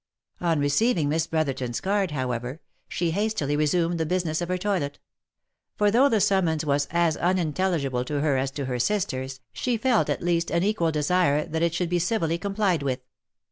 On receiving Miss Brotherton's card, however, she hastily resumed the business of her toilet; for though the summons was as unintel ligible to her as to her sisters, she felt, at least, an equal desire that it should be civilly complied with.